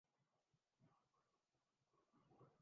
بنیادی مسائل اس معاشرے کے اور ہیں۔